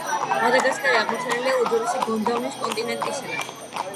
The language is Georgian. მადაგასკარი აღმოცენებულია უძველესი გონდვანის კონტინენტისგან.